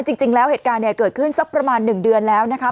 จริงแล้วเหตุการณ์เนี่ยเกิดขึ้นสักประมาณ๑เดือนแล้วนะคะ